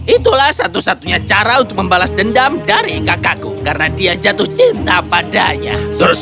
itulah satu satunya cara untuk membalas dendam dari kakakku karena dia jatuh cinta padanya